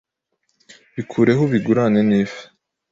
Bikureho ubigaburane n’ifi